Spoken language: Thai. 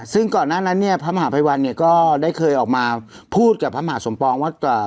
ซึ่งก่อนหน้านั้นเนี่ยพระมหาภัยวันเนี่ยก็ได้เคยออกมาพูดกับพระมหาสมปองว่า